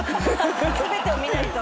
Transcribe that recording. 全てを見ないと。